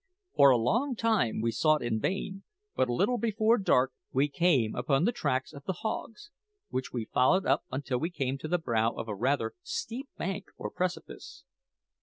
For a long time we sought in vain; but a little before dark we came upon the tracks of the hogs, which we followed up until we came to the brow of a rather steep bank or precipice.